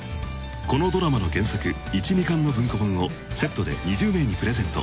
このドラマの原作１２巻の文庫本をセットで２０名にプレゼント。